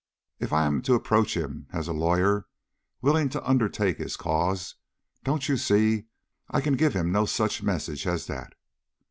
"If I am to approach him as a lawyer willing to undertake his cause, don't you see I can give him no such message as that?"